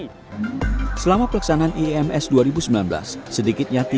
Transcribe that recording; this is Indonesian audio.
ini sih yang jadi kelebihannya ditambah juga tidak ada polusi udara sama sekali alias tidak ada emisi